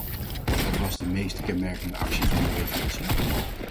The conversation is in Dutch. Wat was de meest kenmerkende actie van de revolutie?